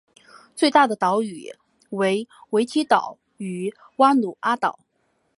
最大的岛屿为维提岛与瓦努阿岛。